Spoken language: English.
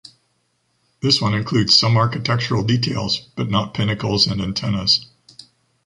This one includes some architectural details, but not pinnacles and antennas.